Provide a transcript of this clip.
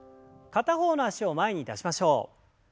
片方の脚を前に出しましょう。